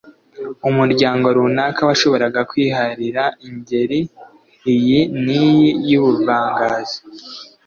umuryango runaka washoboraga kwiharira ingeri iyi n'iyi y'ubuvanganzo